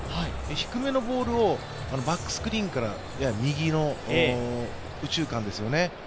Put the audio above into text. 低めのボールをバックスクリーンから右の右中間ですよね。